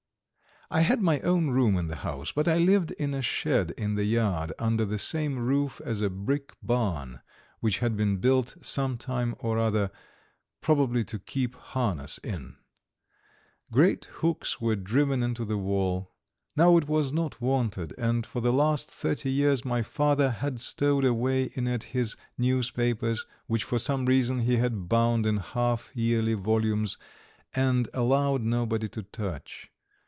I had my own room in the house, but I lived in a shed in the yard, under the same roof as a brick barn which had been built some time or other, probably to keep harness in; great hooks were driven into the wall. Now it was not wanted, and for the last thirty years my father had stowed away in it his newspapers, which for some reason he had bound in half yearly volumes and allowed nobody to touch.